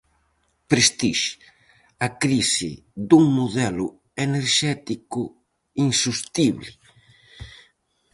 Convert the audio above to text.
"Prestixe": a crise dun modelo enerxético insostible.